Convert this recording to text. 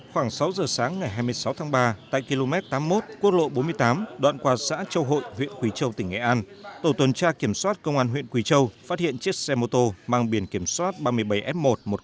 khoảng sáu giờ sáng ngày hai mươi sáu tháng ba tại km tám mươi một quốc lộ bốn mươi tám đoạn qua xã châu hội huyện quỳ châu tỉnh nghệ an tổ tuần tra kiểm soát công an huyện quỳ châu phát hiện chiếc xe mô tô mang biển kiểm soát ba mươi bảy f một một trăm một mươi tám